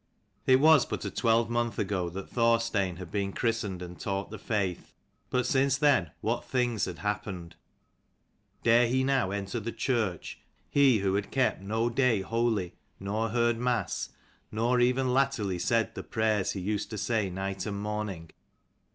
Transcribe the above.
It was but a twelvemonth ago that Thorstein had been christened and taught the faith : but since then, what things had happened ? Dare he now enter the church, he who had kept no day holy nor heard mass, nor even latterly said the prayers he used to say night and morning?